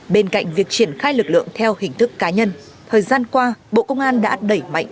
bên cạnh việc triển khai lực lượng theo hình thức cá nhân thời gian qua bộ công an đã đẩy mạnh